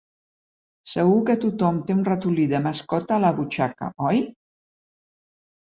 Segur que tothom té un ratolí de mascota a la butxaca, oi?